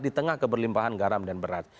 di tengah keberlimpahan garam dan berat